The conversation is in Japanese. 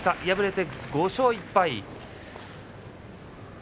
敗れて５勝１敗。